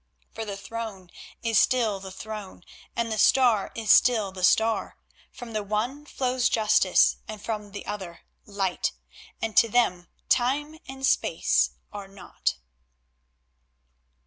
For the Throne is still the Throne, and the star is still the star; from the one flows justice and from the other light, and to them time and space are naught.